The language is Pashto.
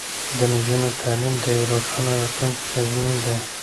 د نجونو تعلیم د یوې روښانه راتلونکې تضمین دی.